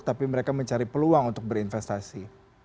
tapi mereka mencari peluang untuk berinvestasi